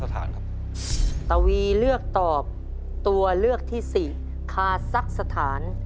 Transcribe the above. ถ้ายังไม่ได้จะหยุดสินะครับ